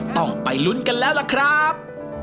ต้องไปลุ้นกันแล้วล่ะครับ